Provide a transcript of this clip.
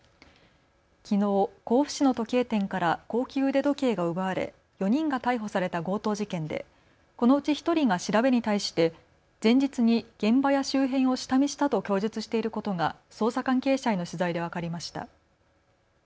きのう甲府市の時計店から高級腕時計が奪われ４人が逮捕された強盗事件でこのうち１人が調べに対して前日に現場や周辺を下見したと供述していることが捜査関係者への取材で分かりました。